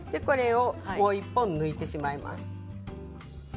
もう１本、抜いてしまいます。